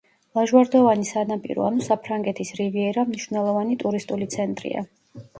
ლაჟვარდოვანი სანაპირო ანუ საფრანგეთის რივიერა მნიშვნელოვანი ტურისტული ცენტრია.